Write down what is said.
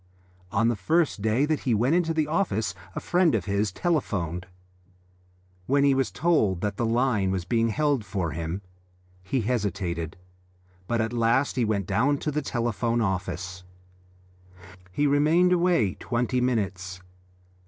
On the first day that he went to the office a friend of his telephoned to him. When he was told that the line was being held for him he hesitated, but at last he went down to the telephone office. He remained away twenty minutes.